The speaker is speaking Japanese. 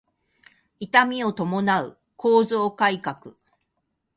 痛みを伴う構造改革